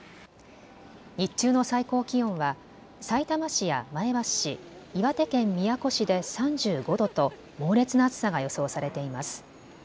日中の最高気温はさいたま市や前橋市、岩手県宮古市で３５度と猛烈な暑さが予想されています。